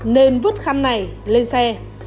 nên vứt khăn này lên xe